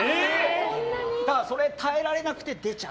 だから、それに耐えられなくて出ちゃう。